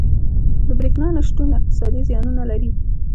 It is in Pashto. • د برېښنا نه شتون اقتصادي زیانونه لري.